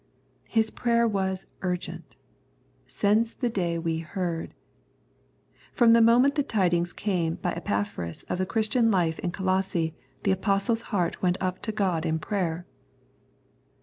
His prayer was urgent —" Since the day zve heardy From the moment the tidings came by Epaphras of the Christian life in Colosse the Apostle's heart went up to God in prayer.